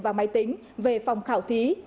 và máy tính về phòng khảo thí